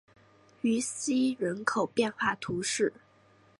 于西人口变化图示